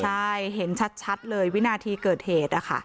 ใช่เห็นชัดเลยวินาทีเกิดเหตุนะคะ